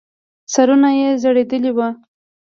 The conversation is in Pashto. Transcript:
سرونه يې ځړېدلې وو.